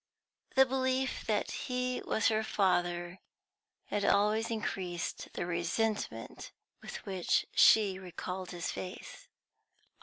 The belief that he was her father had always increased the resentment with which she recalled his face.